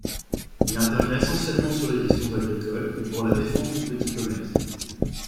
Il intervient essentiellement sur les questions agricoles et pour la défense du petit commerce.